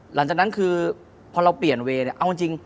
หลังจากนั้นคือเพราะเราเปลี่ยนกัน